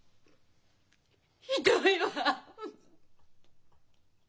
ひどいわ。